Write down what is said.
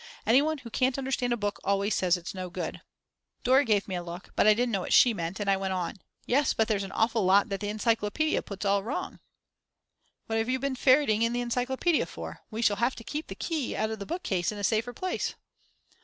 Anyone who can't understand a book always says it is no good." Dora gave me a look, but I didn't know what she meant, and I went on: "Yes, but there's an awful lot that the encyclopedia puts all wrong." "What have you been ferreting in the encyclopedia for; we shall have to keep the key of the bookcase in a safer place."